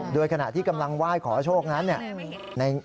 โดยขณะที่กำลังไหว้ขอโชคนั้น